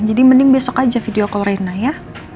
jadi mending besok aja video call reina ya